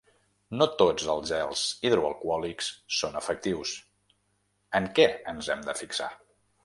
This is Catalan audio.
No tots els gels hidroalcohòlics són efectius: en què ens hem de fixar?